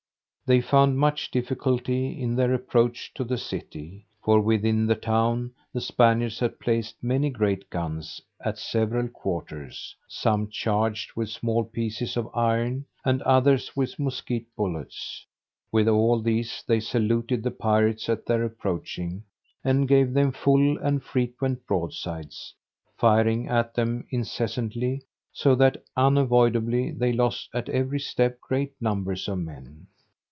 They found much difficulty in their approach to the city, for within the town the Spaniards had placed many great guns, at several quarters, some charged with small pieces of iron, and others with musket bullets; with all these they saluted the pirates at their approaching, and gave them full and frequent broadsides, firing at them incessantly; so that unavoidably they lost at every step great numbers of men.